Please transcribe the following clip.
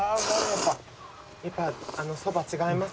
やっぱそば違いますか？